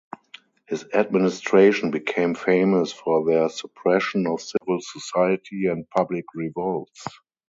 His administration became famous for their suppression of civil society and public revolts.